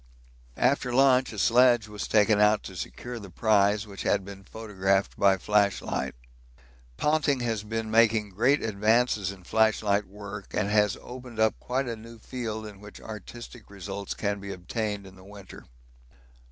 After lunch a sledge was taken out to secure the prize, which had been photographed by flashlight. Ponting has been making great advances in flashlight work, and has opened up quite a new field in which artistic results can be obtained in the winter.